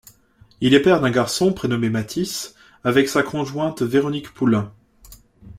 Il est père d'un garçon prénommé Mathys avec sa conjointe Véronique Poulin.